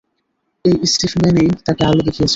এই স্টিফম্যানই তাকে আলো দেখিয়েছে।